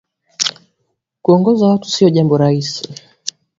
Kuongoza watu si jambo raisi